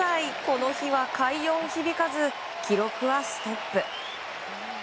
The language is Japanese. この日は快音響かず記録はストップ。